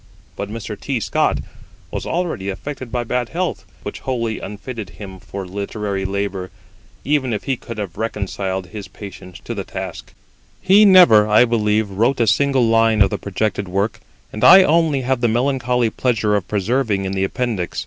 But Mr. T. Scott was already affected by bad health, which wholly unfitted him for literary labour, even if he could have reconciled his patience to the task. He never, I believe, wrote a single line of the projected work; and I only have the melancholy pleasure of preserving in the Appendix [Footnote: See Appendix No.